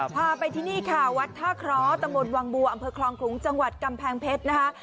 พาไปที่นี่ค่ะวัดท่าเคราะห์ตำบลวังบัวอำเภอคลองขลุงจังหวัดกำแพงเพชรนะคะ